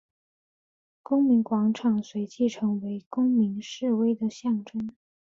公民广场随即成为公民示威的象征。